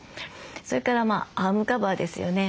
それからアームカバーですよね。